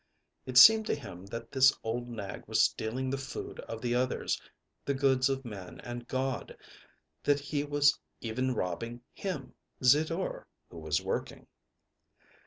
â It seemed to him that this old nag was stealing the food of the others, the goods of man and God, that he was even robbing him, Zidore, who was working.